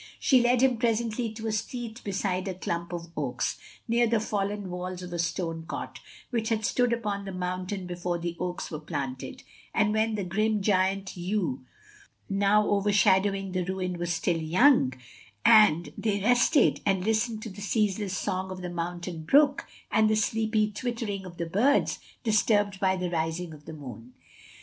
She led him presently to a seat beside a clump of oaks, near the fallen walls of a stone cot, which had stood upon the mountain before the oaks were planted, and when the grim giant yew now overshadowing th^ ruin was still young; and they rested, and listened to the ceaseless song of the mountain brook, and the sleepy twittering of the birds, disturbed by the rising of the moon.